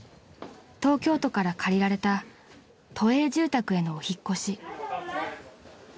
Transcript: ［東京都から借りられた都営住宅へのお引っ越し］